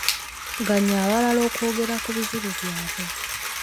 Ganya abalala okwogera ku bizibu byabwe .